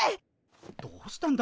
どうしたんだ？